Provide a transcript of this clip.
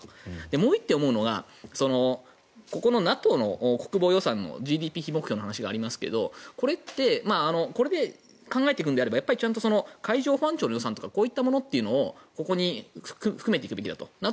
もう１点思うのがＮＡＴＯの国防予算のＧＤＰ比目標の話がありますがこれってこれで考えていくのであれば海上保安庁の予算とかこういったものというのをここに含めていくべきだと。